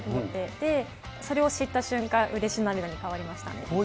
それを知った瞬間、うれし涙に変わりましたね。